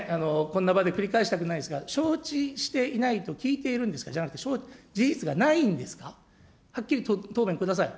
こんな場で繰り返したくないですが、承知していないと聞いているんですか、事実がないんですか、はっきり答弁ください。